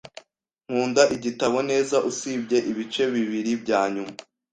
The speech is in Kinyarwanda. Nkunda igitabo neza usibye ibice bibiri byanyuma.